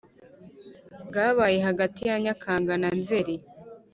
bwabaye hagati ya nyakanga na nzeri